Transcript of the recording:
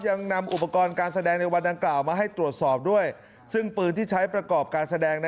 ยังนำอุปกรณ์การแสดงในวันดังกล่าวมาให้ตรวจสอบด้วยซึ่งปืนที่ใช้ประกอบการแสดง